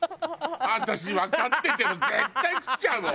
私わかってても絶対食っちゃうもん。